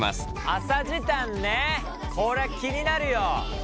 朝時短ねこれ気になるよ。